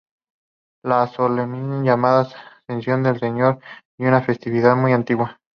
La solemnidad llamada "Ascensión del Señor" es una festividad muy antigua.